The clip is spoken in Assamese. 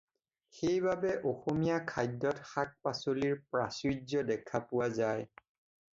সেইবাবে অসমীয়া খাদ্যত শাক-পাচলিৰ প্ৰাচুৰ্য্য দেখা পোৱা যায়।